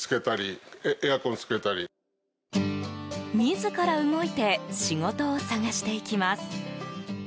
自ら動いて仕事を探していきます。